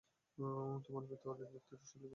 তোমার পিতা ওলীদ ব্যক্তিত্বশালী লোক ছিল।